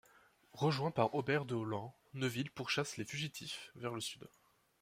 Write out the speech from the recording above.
Rejoint par Robert de Holland, Neville pourchasse les fugitifs vers le Sud.